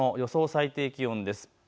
最低気温です。